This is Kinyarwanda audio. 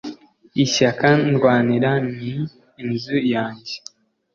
Ishyaka ndwanira ni inzu yanjye